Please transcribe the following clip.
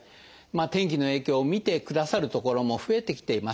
天気の影響を診てくださる所も増えてきています。